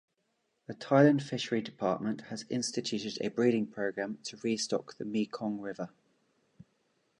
The Thailand Fishery Department has instituted a breeding programme to restock the Mekong River.